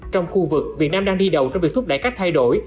trong khu vực việt nam đang đi đầu trong việc thúc đẩy các thay đổi